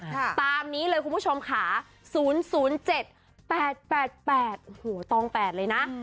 ค่ะตามนี้เลยคุณผู้ชมค่ะศูนย์ศูนย์เจ็ดแปดแปดแปดโหต้องแปดเลยน่ะ